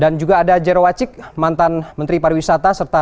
dan juga ada jero wacik mantan menteri pariwisata